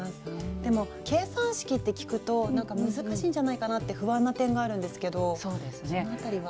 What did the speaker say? でも計算式って聞くとなんか難しいんじゃないかなって不安な点があるんですけどその辺りは。